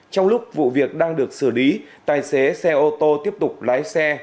trong lúc vụ việc đang được xử lý tài xế xe ô tô tiếp tục lái xe